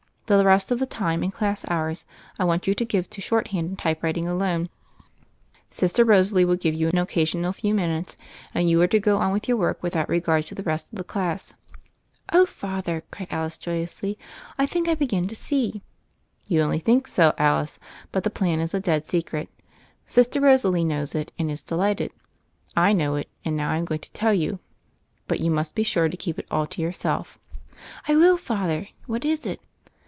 The rest of the time in class hours I want you to give to short hand and typewriting alone. Sister Rosalie will 196 THE FAIRY OF THE SNOWS give you an occasional few minutes, and you are to go on with your work without regard to the rest of the class/' "Oh, Father!" cried Alice joyously, "I think I begin to see." "You only think so, Alice. But the plan is a dead secret. Sister Rosalie knows it, and is delighted. I know it; and now Fm going to tell you. But you must be sure to keep it all to yourself." "I will, Father. What is it?"